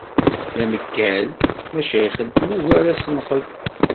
D ameggal maca ixeddem ugar asenqed.